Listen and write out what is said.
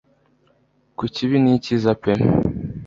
kukibi nicyiza pe